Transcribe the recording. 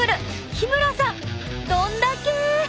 日村さんどんだけ。